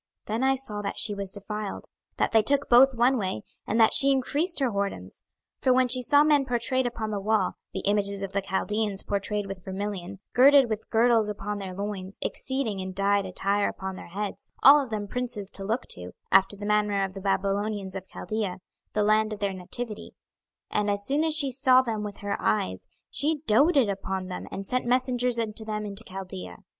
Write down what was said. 26:023:013 Then I saw that she was defiled, that they took both one way, 26:023:014 And that she increased her whoredoms: for when she saw men pourtrayed upon the wall, the images of the Chaldeans pourtrayed with vermilion, 26:023:015 Girded with girdles upon their loins, exceeding in dyed attire upon their heads, all of them princes to look to, after the manner of the Babylonians of Chaldea, the land of their nativity: 26:023:016 And as soon as she saw them with her eyes, she doted upon them, and sent messengers unto them into Chaldea.